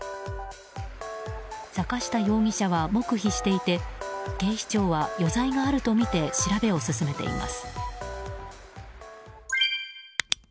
坂下容疑者は黙秘していて警視庁は余罪があるとみて調べを進めています。